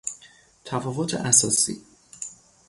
تفاوت اساسی